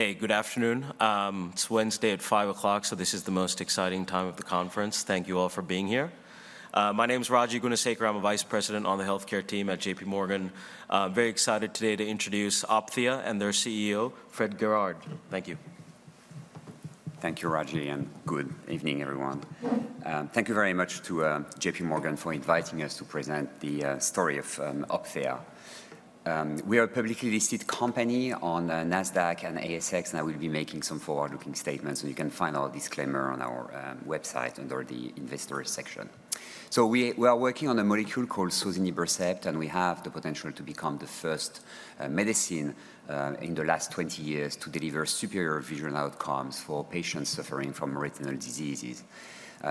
Hey, good afternoon. It's Wednesday at 5:00 P.M., so this is the most exciting time of the conference. Thank you all for being here. My name is Raji Gunasekaran. I'm a Vice President on the Healthcare Team at J.P. Morgan. I'm very excited today to introduce Opthea and their CEO, Fred Guerard. Thank you. Thank you, Raji, and good evening, everyone. Thank you very much to J.P. Morgan for inviting us to present the story of Opthea. We are a publicly listed company on NASDAQ and ASX, and I will be making some forward-looking statements, and you can find our disclaimer on our website under the Investors section, so we are working on a molecule called sozinibercept, and we have the potential to become the first medicine in the last 20 years to deliver superior vision outcomes for patients suffering from retinal diseases.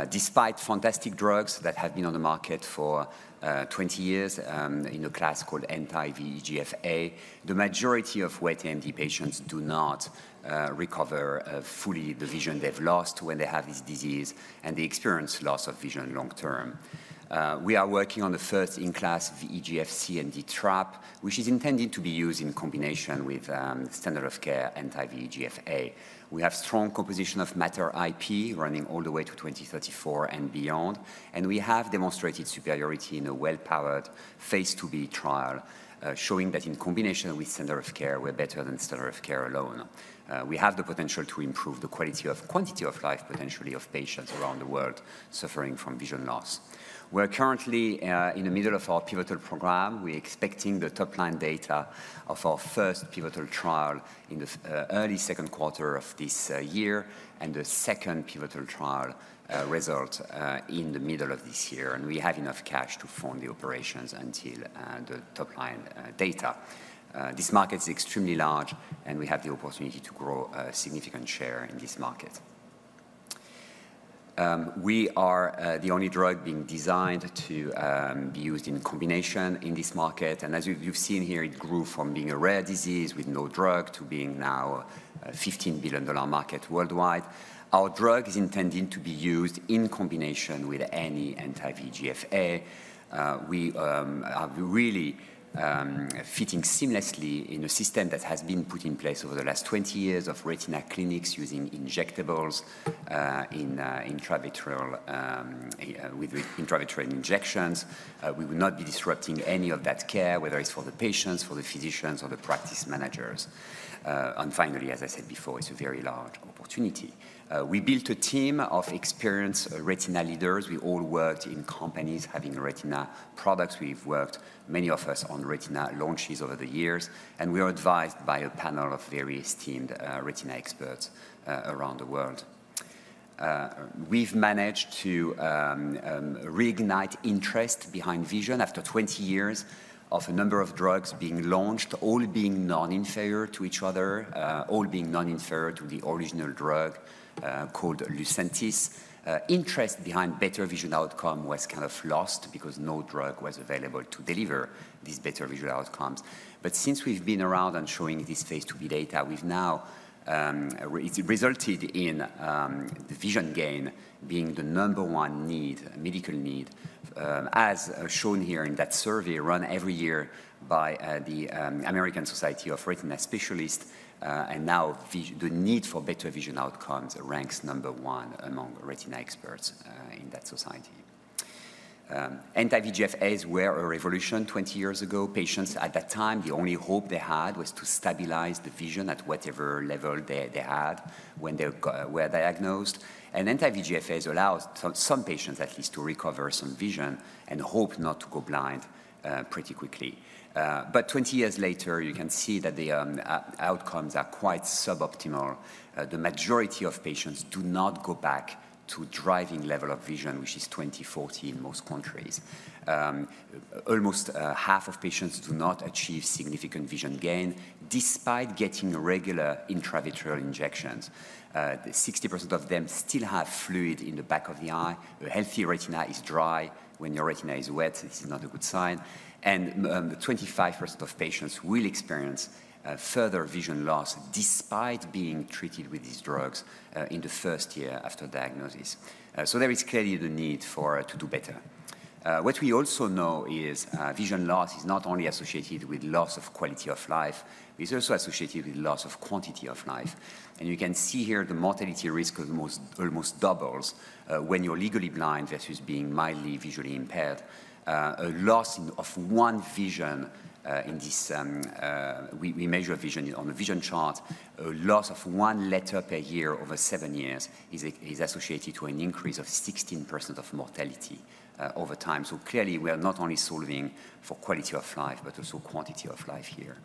Despite fantastic drugs that have been on the market for 20 years in a class called anti-VEGF-A, the majority of wet AMD patients do not recover fully the vision they've lost when they have this disease, and they experience loss of vision long term. We are working on the first in-class VEGF-C/D trap, which is intended to be used in combination with standard of care anti-VEGF-A. We have strong composition of matter IP running all the way to 2034 and beyond, and we have demonstrated superiority in a well-powered Phase II-b trial, showing that in combination with standard of care, we're better than standard of care alone. We have the potential to improve the quality and quantity of life potentially of patients around the world suffering from vision loss. We're currently in the middle of our pivotal program. We're expecting the top-line data of our first pivotal trial in the early second quarter of this year and the second pivotal trial result in the middle of this year, and we have enough cash to fund the operations until the top-line data. This market is extremely large, and we have the opportunity to grow a significant share in this market. We are the only drug being designed to be used in combination in this market, and as you've seen here, it grew from being a rare disease with no drug to being now a $15 billion market worldwide. Our drug is intended to be used in combination with any anti-VEGF-A. We are really fitting seamlessly in a system that has been put in place over the last 20 years of retina clinics using injectables with intravitreal injections. We will not be disrupting any of that care, whether it's for the patients, for the physicians, or the practice managers, and finally, as I said before, it's a very large opportunity. We built a team of experienced retina leaders. We all worked in companies having retina products. We've worked, many of us, on retina launches over the years, and we are advised by a panel of various top retina experts around the world. We've managed to reignite interest in vision after 20 years of a number of drugs being launched, all being non-inferior to each other, all being non-inferior to the original drug called Lucentis. Interest in better vision outcome was kind of lost because no drug was available to deliver these better visual outcomes. But since we've been around and showing this Phase II-b data, we've now resulted in the vision gain being the number one medical need, as shown here in that survey run every year by the American Society of Retina Specialists, and now the need for better vision outcomes ranks number one among retina experts in that society. Anti-VEGF-As were a revolution 20 years ago. Patients at that time, the only hope they had was to stabilize the vision at whatever level they had when they were diagnosed, and anti-VEGF-As allowed some patients at least to recover some vision and hope not to go blind pretty quickly. But 20 years later, you can see that the outcomes are quite suboptimal. The majority of patients do not go back to driving level of vision, which is 20/40 in most countries. Almost half of patients do not achieve significant vision gain despite getting regular intravitreal injections. 60% of them still have fluid in the back of the eye. A healthy retina is dry. When your retina is wet, this is not a good sign, and 25% of patients will experience further vision loss despite being treated with these drugs in the first year after diagnosis. So there is clearly the need to do better. What we also know is vision loss is not only associated with loss of quality of life. It's also associated with loss of quantity of life, and you can see here the mortality risk almost doubles when you're legally blind versus being mildly visually impaired. A loss of one line of vision. In this, we measure vision on a vision chart. A loss of one letter per year over seven years is associated with an increase of 16% of mortality over time, so clearly, we are not only solving for quality of life, but also quantity of life here.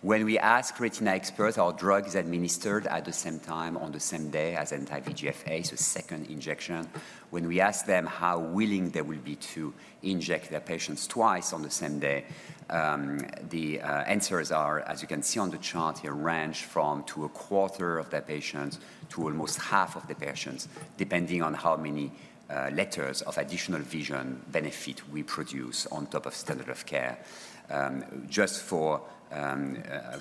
When we ask retina experts, our drug is administered at the same time on the same day as anti-VEGF-A, so second injection. When we ask them how willing they will be to inject their patients twice on the same day, the answers are, as you can see on the chart here, range from two and a quarter of their patients to almost half of the patients, depending on how many letters of additional vision benefit we produce on top of standard of care. Just for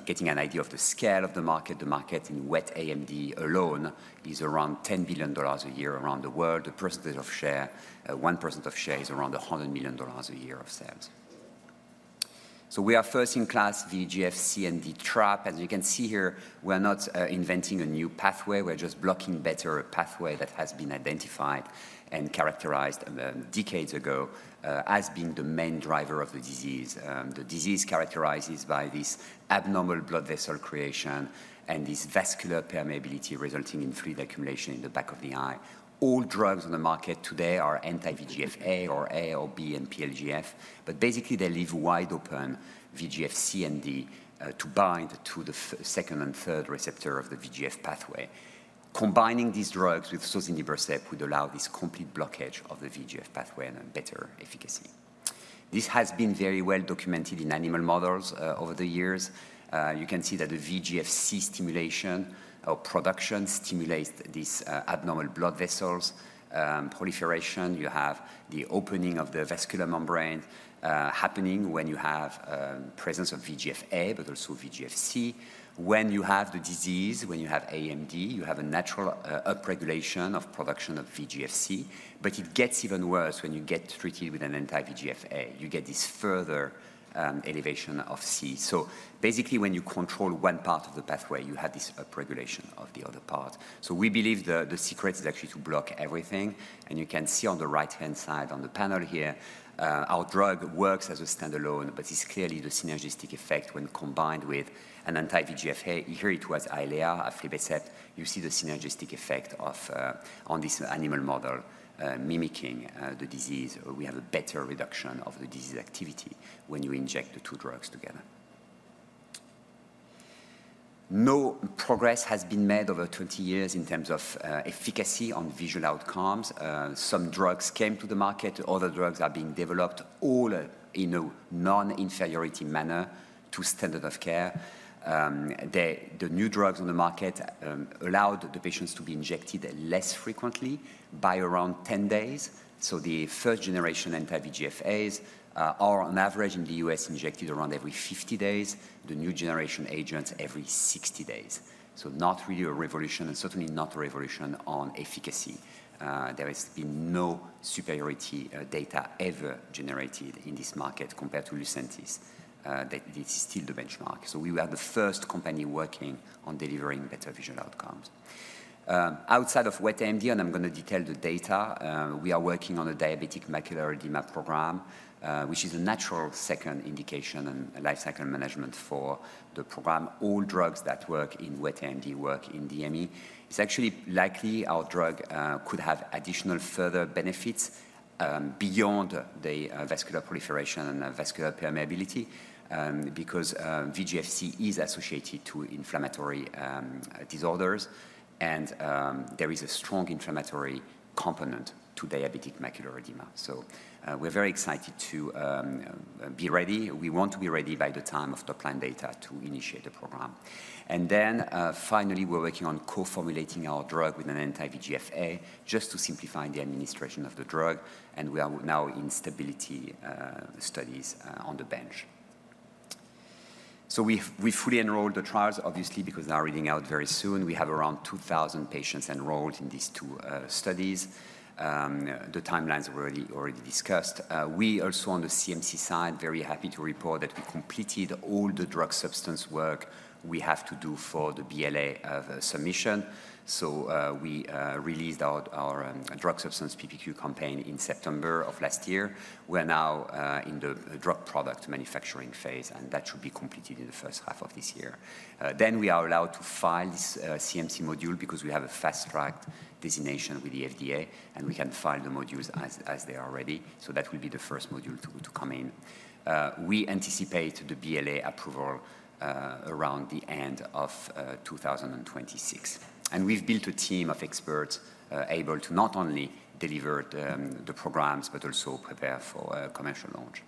getting an idea of the scale of the market, the market in wet AMD alone is around $10 billion a year around the world. The percentage of share, 1% of share, is around $100 million a year of sales. So we are first in class VEGF-C/D trap, and you can see here we're not inventing a new pathway. We're just blocking better a pathway that has been identified and characterized decades ago as being the main driver of the disease. The disease characterizes by this abnormal blood vessel creation and this vascular permeability resulting in fluid accumulation in the back of the eye. All drugs on the market today are anti-VEGF-A or A or B and PLGF, but basically they leave wide open VEGF-C/D to bind to the second and third receptor of the VEGF pathway. Combining these drugs with sozinibercept would allow this complete blockage of the VEGF pathway and better efficacy. This has been very well documented in animal models over the years. You can see that the VEGF-C stimulation or production stimulates these abnormal blood vessels proliferation. You have the opening of the vascular membrane happening when you have presence of VEGF-A, but also VEGF-C. When you have the disease, when you have AMD, you have a natural upregulation of production of VEGF-C, but it gets even worse when you get treated with an anti-VEGF-A. You get this further elevation of VEGF-C. So basically, when you control one part of the pathway, you have this upregulation of the other part. So we believe the secret is actually to block everything, and you can see on the right-hand side on the panel here, our drug works as a standalone, but it's clearly the synergistic effect when combined with an anti-VEGF-A. Here it was Eylea, aflibercept. You see the synergistic effect on this animal model mimicking the disease. We have a better reduction of the disease activity when you inject the two drugs together. No progress has been made over 20 years in terms of efficacy on visual outcomes. Some drugs came to the market. Other drugs are being developed all in a non-inferiority manner to standard of care. The new drugs on the market allowed the patients to be injected less frequently by around 10 days. So the first generation anti-VEGF-As are, on average, in the U.S., injected around every 50 days. The new generation agents every 60 days. So not really a revolution and certainly not a revolution on efficacy. There has been no superiority data ever generated in this market compared to Lucentis. This is still the benchmark. So we were the first company working on delivering better visual outcomes. Outside of wet AMD, and I'm going to detail the data, we are working on a diabetic macular edema program, which is a natural second indication and lifecycle management for the program. All drugs that work in wet AMD work in DME. It's actually likely our drug could have additional further benefits beyond the vascular proliferation and vascular permeability because VEGF-C is associated with inflammatory disorders, and there is a strong inflammatory component to diabetic macular edema. So we're very excited to be ready. We want to be ready by the time of top-line data to initiate the program, and then finally, we're working on co-formulating our drug with an anti-VEGF-A just to simplify the administration of the drug, and we are now in stability studies on the bench, so we fully enrolled the trials, obviously, because they are reading out very soon. We have around 2,000 patients enrolled in these two studies. The timelines were already discussed. We also, on the CMC side, are very happy to report that we completed all the drug substance work we have to do for the BLA submission, so we released our drug substance PPQ campaign in September of last year. We're now in the drug product manufacturing Phase, and that should be completed in the first half of this year. Then we are allowed to file this CMC module because we have a fast-track designation with the FDA, and we can file the modules as they are ready. So that will be the first module to come in. We anticipate the BLA approval around the end of 2026, and we've built a team of experts able to not only deliver the programs but also prepare for a commercial launch.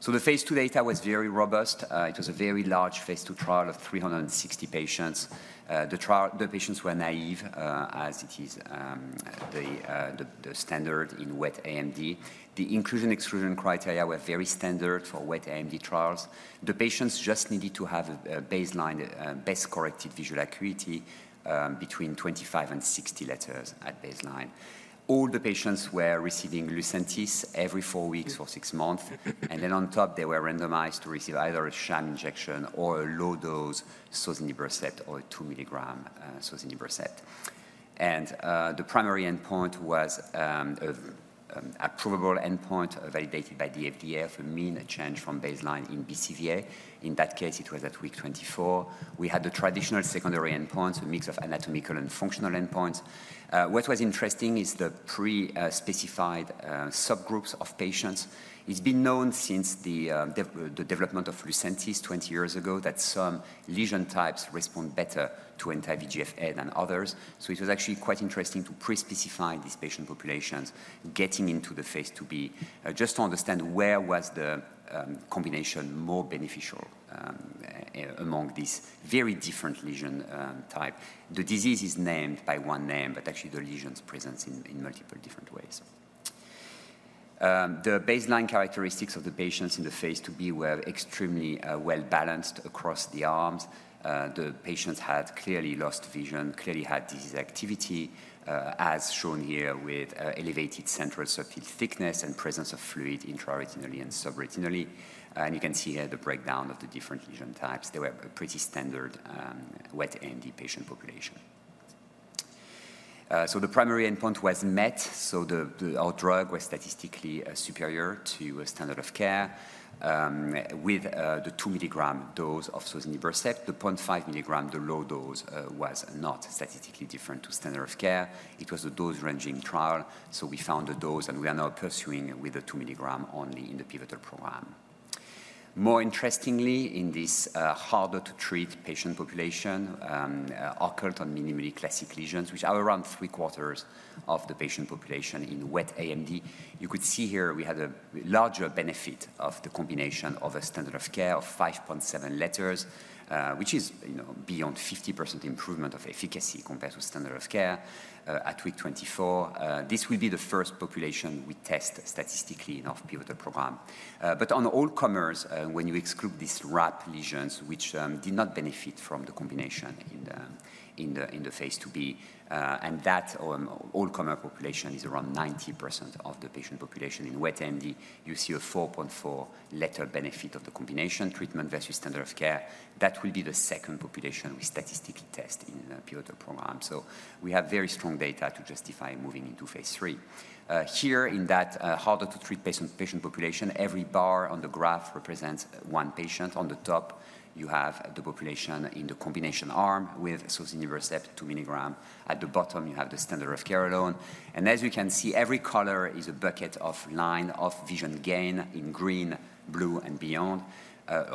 So the Phase II data was very robust. It was a very large Phase II trial of 360 patients. The patients were naive, as it is the standard in wet AMD. The inclusion-exclusion criteria were very standard for wet AMD trials. The patients just needed to have a baseline best-corrected visual acuity between 25 and 60 letters at baseline. All the patients were receiving Lucentis every four weeks for six months, and then on top, they were randomized to receive either a sham injection or a low-dose sozinibercept or a two milligram sozinibercept. And the primary endpoint was a provable endpoint validated by the FDA for mean change from baseline in BCVA. In that case, it was at week 24. We had the traditional secondary endpoints, a mix of anatomical and functional endpoints. What was interesting is the pre-specified subgroups of patients. It's been known since the development of Lucentis 20 years ago that some lesion types respond better to anti-VEGF-A than others. So it was actually quite interesting to pre-specify these patient populations getting into the Phase II-b just to understand where was the combination more beneficial among these very different lesion types. The disease is named by one name, but actually the lesions present in multiple different ways. The baseline characteristics of the patients in the Phase II-b were extremely well-balanced across the arms. The patients had clearly lost vision, clearly had disease activity, as shown here with elevated central subfield thickness and presence of fluid intra-retinally and subretinally, and you can see here the breakdown of the different lesion types. They were a pretty standard wet AMD patient population. So the primary endpoint was met, so our drug was statistically superior to standard of care with the two milligram dose of sozinibercept. The 0.5 milligram, the low dose, was not statistically different to standard of care. It was a dose-ranging trial, so we found a dose, and we are now pursuing with the two milligram only in the pivotal program. More interestingly, in this harder-to-treat patient population, occult and minimally classic lesions, which are around three-quarters of the patient population in wet AMD, you could see here we had a larger benefit of the combination of a standard of care of 5.7 letters, which is beyond 50% improvement of efficacy compared to standard of care at week 24. This will be the first population we test statistically in our pivotal program. But on all comers, when you exclude these RAP lesions, which did not benefit from the combination in the Phase II-b, and that all-comer population is around 90% of the patient population in wet AMD, you see a 4.4 letter benefit of the combination treatment versus standard of care. That will be the second population we statistically test in the pivotal program. So we have very strong data to justify moving into Phase III. Here in that harder-to-treat patient population, every bar on the graph represents one patient. On the top, you have the population in the combination arm with sozinibercept two milligram. At the bottom, you have the standard of care alone. And as you can see, every color is a bucket of line of vision gain in green, blue, and beyond,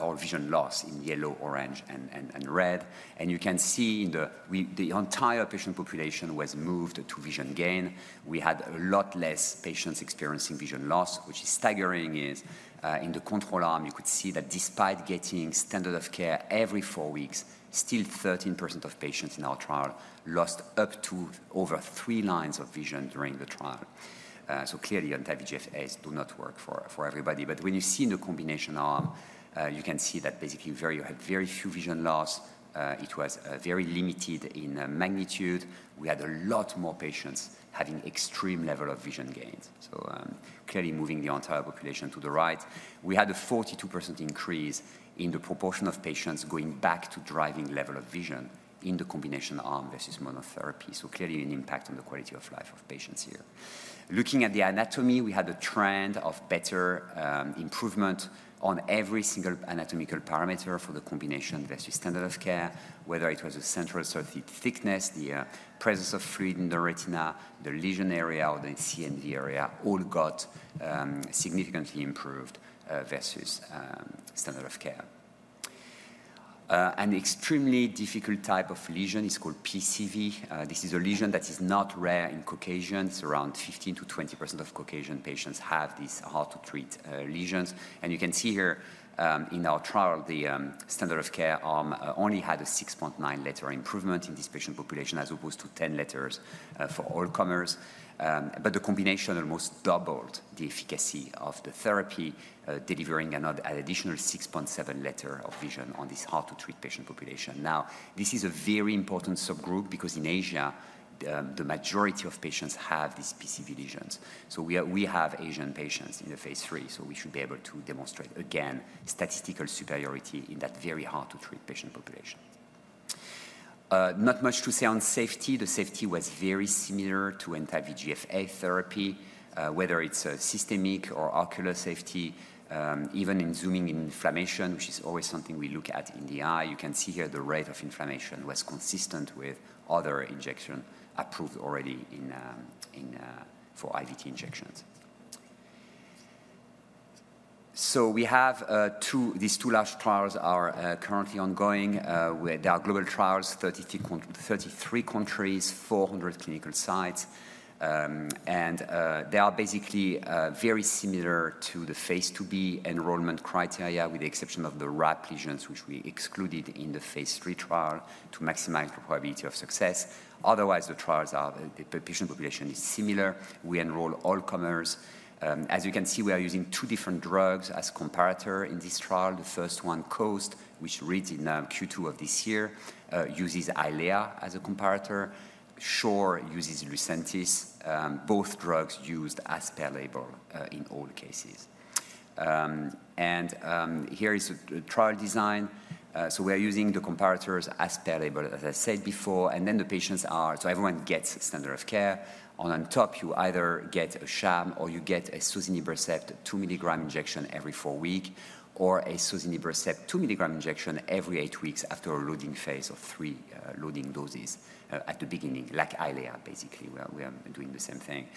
or vision loss in yellow, orange, and red. And you can see the entire patient population was moved to vision gain. We had a lot less patients experiencing vision loss, which is staggering. In the control arm, you could see that despite getting standard of care every four weeks, still 13% of patients in our trial lost up to over three lines of vision during the trial. So clearly, anti-VEGF-As do not work for everybody. But when you see in the combination arm, you can see that basically you had very few vision loss. It was very limited in magnitude. We had a lot more patients having extreme level of vision gains. So clearly, moving the entire population to the right, we had a 42% increase in the proportion of patients going back to driving level of vision in the combination arm versus monotherapy. So clearly, an impact on the quality of life of patients here. Looking at the anatomy, we had a trend of better improvement on every single anatomical parameter for the combination versus standard of care, whether it was the central subfield thickness, the presence of fluid in the retina, the lesion area, or the CNV area, all got significantly improved versus standard of care. An extremely difficult type of lesion is called PCV. This is a lesion that is not rare in Caucasians. Around 15%-20% of Caucasian patients have these hard-to-treat lesions. And you can see here in our trial, the standard of care arm only had a 6.9 letter improvement in this patient population as opposed to 10 letters for all comers. But the combination almost doubled the efficacy of the therapy, delivering an additional 6.7 letter of vision on this hard-to-treat patient population. Now, this is a very important subgroup because in Asia, the majority of patients have these PCV lesions. So we have Asian patients in the Phase III, so we should be able to demonstrate again statistical superiority in that very hard-to-treat patient population. Not much to say on safety. The safety was very similar to anti-VEGF-A therapy, whether it's systemic or ocular safety. Even in zooming in inflammation, which is always something we look at in the eye, you can see here the rate of inflammation was consistent with other injections approved already for IVT injections. So these two large trials are currently ongoing. They are global trials, 33 countries, 400 clinical sites. And they are basically very similar to the Phase II-b enrollment criteria, with the exception of the RAP lesions, which we excluded in the Phase III trial to maximize the probability of success. Otherwise, the patient population is similar. We enroll all comers. As you can see, we are using two different drugs as comparator in this trial. The first one, COAST, which reads in Q2 of this year, uses Eylea as a comparator. SHORE uses Lucentis. Both drugs used as per label in all cases. And here is the trial design. So we are using the comparators as per label, as I said before. And then the patients are, so everyone gets standard of care. On top, you either get a sham or you get a sozinibercept two milligram injection every four weeks or a sozinibercept two milligram injection every eight weeks after a loading Phase of three loading doses at the beginning, like Eylea, basically. We are doing the same thing.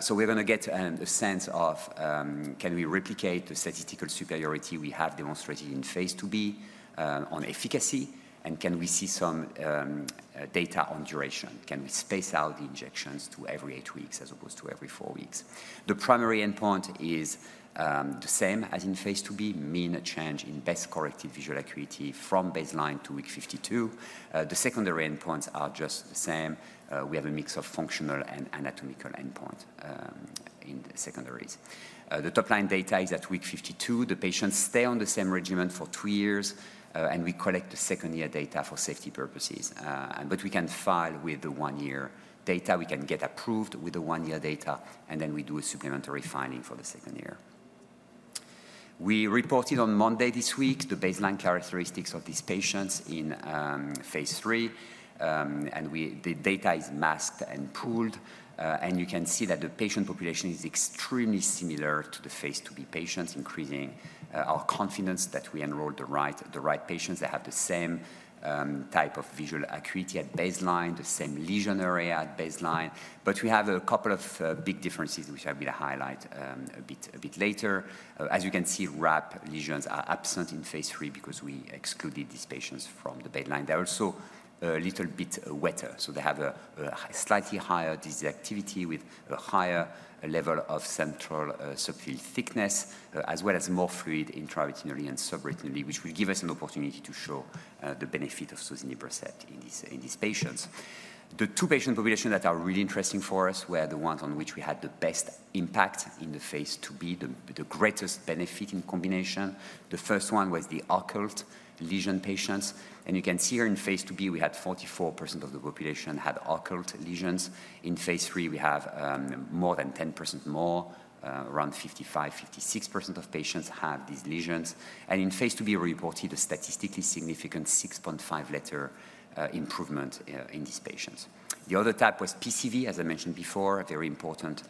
So we're going to get a sense of can we replicate the statistical superiority we have demonstrated in Phase II-b on efficacy, and can we see some data on duration? Can we space out the injections to every eight weeks as opposed to every four weeks? The primary endpoint is the same as in Phase II-b, mean change in best-corrected visual acuity from baseline to week 52. The secondary endpoints are just the same. We have a mix of functional and anatomical endpoints in the secondaries. The top-line data is at week 52. The patients stay on the same regimen for two years, and we collect the second-year data for safety purposes. But we can file with the one-year data. We can get approved with the one-year data, and then we do a supplementary filing for the second year. We reported on Monday this week the baseline characteristics of these patients in Phase III, and the data is masked and pooled, and you can see that the patient population is extremely similar to the Phase II-b patients, increasing our confidence that we enrolled the right patients that have the same type of visual acuity at baseline, the same lesion area at baseline, but we have a couple of big differences which I will highlight a bit later. As you can see, RAP lesions are absent in Phase III because we excluded these patients from the baseline. They're also a little bit wetter, so they have a slightly higher disease activity with a higher level of central subfield thickness, as well as more fluid intra-retinally and subretinally, which will give us an opportunity to show the benefit of sozinibercept in these patients. The two patient populations that are really interesting for us were the ones on which we had the best impact in the Phase II-b, the greatest benefit in combination. The first one was the occult lesion patients. And you can see here in Phase II-b, we had 44% of the population had occult lesions. In Phase III, we have more than 10% more. Around 55%, 56% of patients have these lesions. And in Phase II-b, we reported a statistically significant 6.5 letter improvement in these patients. The other type was PCV, as I mentioned before, very important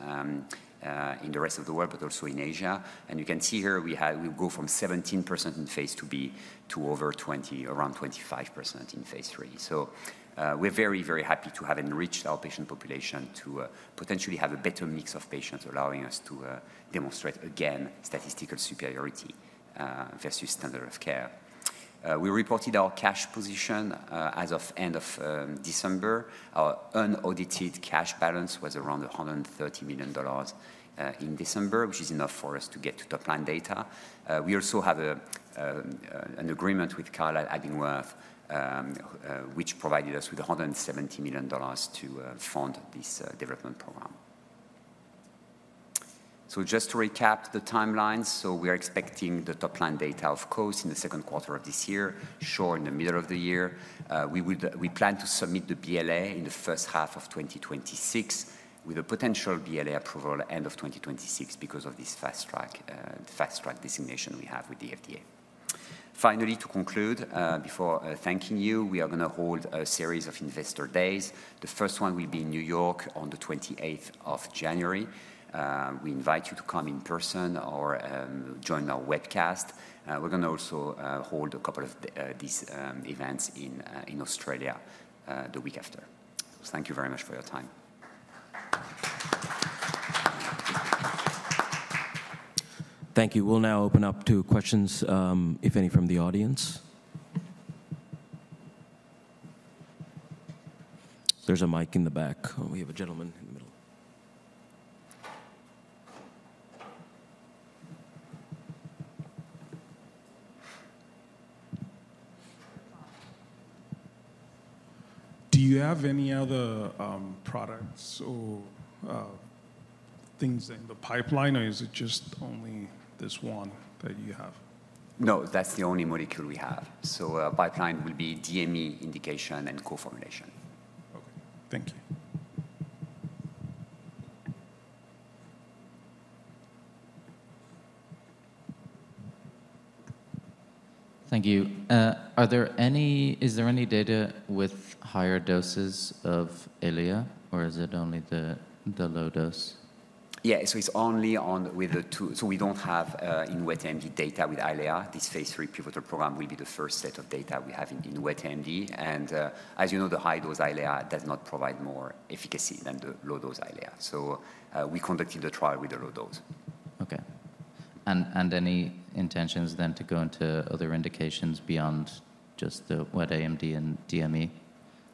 in the rest of the world, but also in Asia, and you can see here we go from 17% in Phase II-b to over 20%, around 25% in Phase III, so we're very, very happy to have enriched our patient population to potentially have a better mix of patients, allowing us to demonstrate again statistical superiority versus standard of care. We reported our cash position as of end of December. Our unaudited cash balance was around $130 million in December, which is enough for us to get to top-line data. We also have an agreement with Carlyle, Abingworth, which provided us with $170 million to fund this development program, so just to recap the timelines, so we are expecting the top-line data of COAST in the second quarter of this year, SHORE in the middle of the year. We plan to submit the BLA in the first half of 2026 with a potential BLA approval at the end of 2026 because of this fast-track designation we have with the FDA. Finally, to conclude, before thanking you, we are going to hold a series of investor days. The first one will be in New York on the 28th of January. We invite you to come in person or join our webcast. We're going to also hold a couple of these events in Australia the week after. Thank you very much for your time. Thank you. We'll now open up to questions, if any, from the audience. There's a mic in the back. We have a gentleman in the middle. Do you have any other products or things in the pipeline, or is it just only this one that you have? No, that's the only molecule we have, so our pipeline will be DME indication and co-formulation. Okay. Thank you. Thank you. Is there any data with higher doses of Eylea, or is it only the low dose? Yeah, so it's only with the two. So we don't have in wet AMD data with Eylea. This Phase III pivotal program will be the first set of data we have in wet AMD. And as you know, the high-dose Eylea does not provide more efficacy than the low-dose Eylea. So we conducted the trial with the low dose. Okay. And any intentions then to go into other indications beyond just the wet AMD and DME,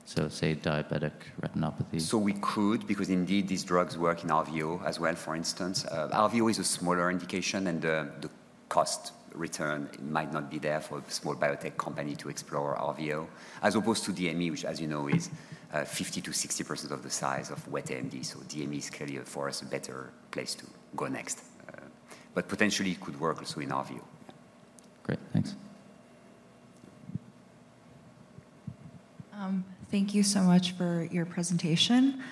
so say diabetic retinopathy? So we could, because indeed these drugs work in RVO as well, for instance. RVO is a smaller indication, and the cost return might not be there for a small biotech company to explore RVO, as opposed to DME, which, as you know, is 50%-60% of the size of wet AMD. So DME is clearly, for us, a better place to go next. But potentially, it could work also in RVO. Great. Thanks. Thank you so much for your presentation.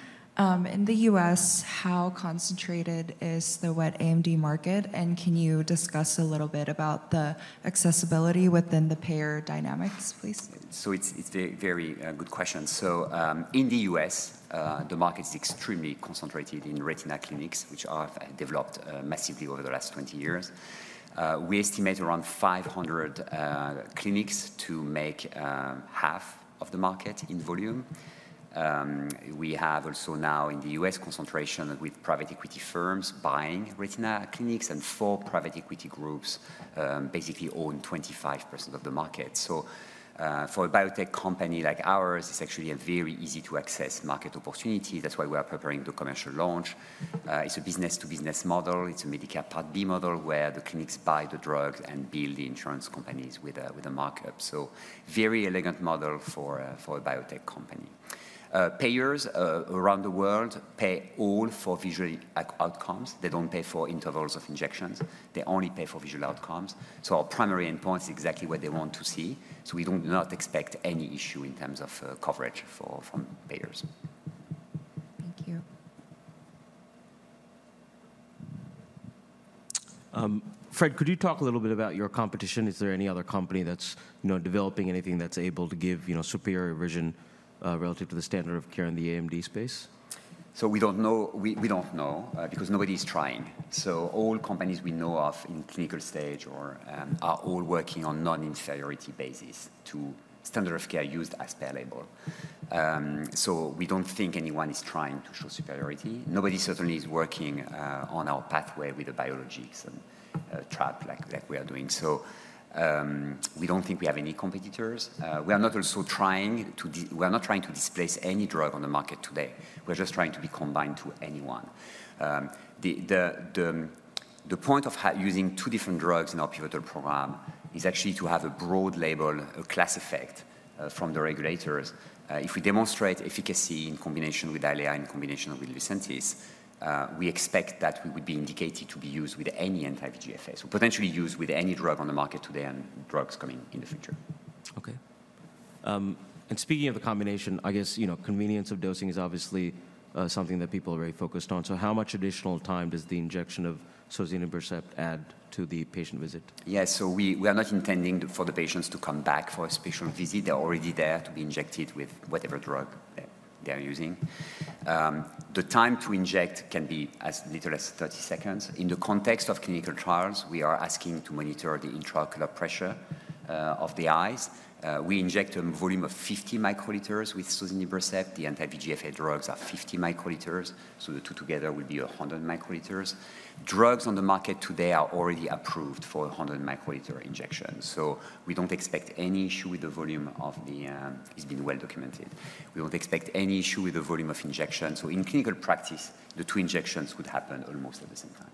In the U.S., how concentrated is the wet AMD market? And can you discuss a little bit about the accessibility within the payer dynamics, please? It's a very good question. In the U.S., the market is extremely concentrated in retina clinics, which have developed massively over the last 20 years. We estimate around 500 clinics to make half of the market in volume. We have also now in the U.S. concentration with private equity firms buying retina clinics, and four private equity groups basically own 25% of the market. So for a biotech company like ours, it's actually a very easy-to-access market opportunity. That's why we are preparing the commercial launch. It's a business-to-business model. It's a Medicare Part B model where the clinics buy the drugs and bill the insurance companies with a markup. So very elegant model for a biotech company. Payers around the world pay all for visual outcomes. They don't pay for intervals of injections. They only pay for visual outcomes. So our primary endpoint is exactly what they want to see. So we do not expect any issue in terms of coverage from payers. Thank you. Fred, could you talk a little bit about your competition? Is there any other company that's developing anything that's able to give superior vision relative to the standard of care in the AMD space? So, we don't know because nobody is trying. So, all companies we know of in clinical stage are all working on non-inferiority basis to standard of care used as per label. So, we don't think anyone is trying to show superiority. Nobody certainly is working on our pathway with the biologics and trap like we are doing. So, we don't think we have any competitors. We are not also trying to displace any drug on the market today. We're just trying to be combined to anyone. The point of using two different drugs in our pivotal program is actually to have a broad label, a class effect from the regulators. If we demonstrate efficacy in combination with Eylea and in combination with Lucentis, we expect that we would be indicated to be used with any anti-VEGF-A, so potentially used with any drug on the market today and drugs coming in the future. Okay. And speaking of the combination, I guess convenience of dosing is obviously something that people are very focused on. So how much additional time does the injection of sozinibercept add to the patient visit? Yes. So we are not intending for the patients to come back for a special visit. They're already there to be injected with whatever drug they're using. The time to inject can be as little as 30 seconds. In the context of clinical trials, we are asking to monitor the intraocular pressure of the eyes. We inject a volume of 50 microliters with sozinibercept. The anti-VEGF-A drugs are 50 microliters. So the two together will be 100 microliters. Drugs on the market today are already approved for 100 microliter injections. So we don't expect any issue with the volume. It's been well documented. We don't expect any issue with the volume of injections. So in clinical practice, the two injections would happen almost at the same time.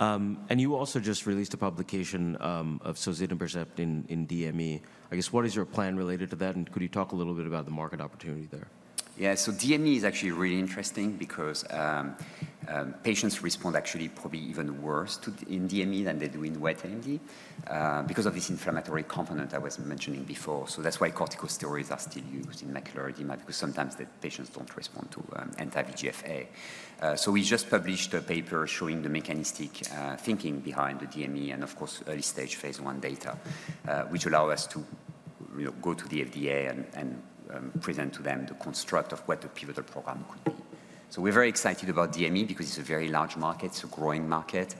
Okay. And you also just released a publication of sozinibercept in DME. I guess, what is your plan related to that? And could you talk a little bit about the market opportunity there? Yeah. So DME is actually really interesting because patients respond actually probably even worse in DME than they do in wet AMD because of this inflammatory component I was mentioning before. So that's why corticosteroids are still used in macular edema, because sometimes the patients don't respond to anti-VEGF-A. So we just published a paper showing the mechanistic thinking behind the DME and, of course, early stage Phase I data, which allow us to go to the FDA and present to them the construct of what the pivotal program could be. So we're very excited about DME because it's a very large market. It's a growing market.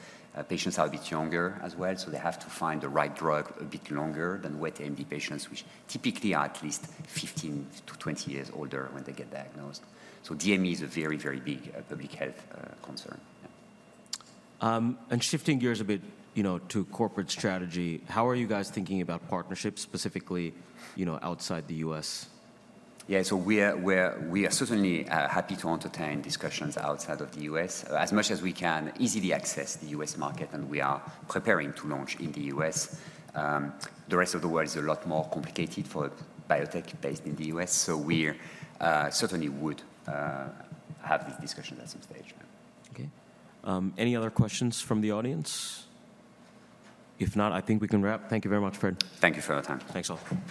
Patients are a bit younger as well, so they have to find the right drug a bit longer than wet AMD patients, which typically are at least 15 to 20 years older when they get diagnosed. DME is a very, very big public health concern. Shifting gears a bit to corporate strategy, how are you guys thinking about partnerships specifically outside the U.S.? Yeah. So we are certainly happy to entertain discussions outside of the U.S. As much as we can easily access the U.S. market, and we are preparing to launch in the U.S., the rest of the world is a lot more complicated for biotech based in the U.S. So we certainly would have these discussions at some stage. Okay. Any other questions from the audience? If not, I think we can wrap. Thank you very much, Fred. Thank you for your time. Thanks a lot.